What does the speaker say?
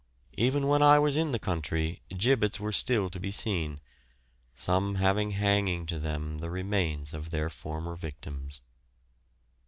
Even when I was in the country gibbets were still to be seen, some having hanging to them the remains of their former victims.